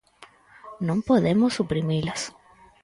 Non podemos suprimilas.